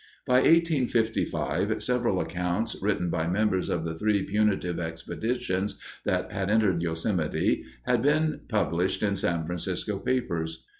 By 1855 several accounts written by members of the three punitive expeditions that had entered Yosemite had been published in San Francisco papers.